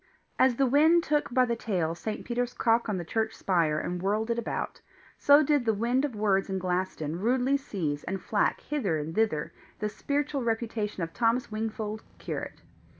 As the wind took by the tail St. Peter's cock on the church spire and whirled it about, so did the wind of words in Glaston rudely seize and flack hither and thither the spiritual reputation of Thomas Wingfold, curate.